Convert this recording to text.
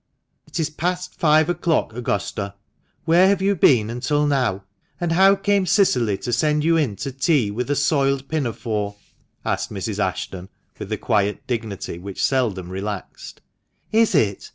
" It is past five o'clock, Augusta ; where have you been until now ? And how came Cicily to send you in to tea with a soiled pinafore?" asked Mrs. Ashton, with the quiet dignity which seldom relaxed. "Is it?